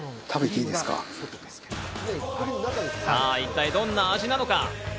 さぁ、一体どんな味なのか？